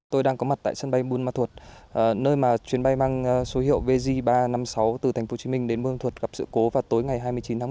tôi đang có mặt tại sân bay bôn mạc thuộc nơi mà chuyến bay mang số hiệu vj ba trăm năm mươi sáu từ tp hcm đến bôn mạc thuộc gặp sự cố vào tối ngày hai mươi chín tháng một mươi một